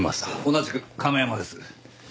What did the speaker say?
同じく亀山です。